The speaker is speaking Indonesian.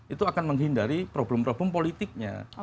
itu akan menghindari problem problem politiknya